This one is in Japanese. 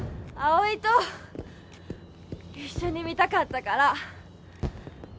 葵と一緒に見たかったから。